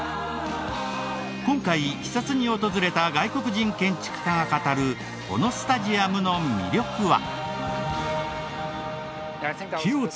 今回視察に訪れた外国人建築家が語るこのスタジムの魅力は？